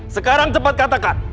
sekarang cepat katakan